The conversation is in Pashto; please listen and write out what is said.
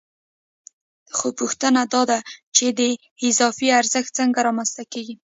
خو پوښتنه دا ده چې دا اضافي ارزښت څنګه رامنځته کېږي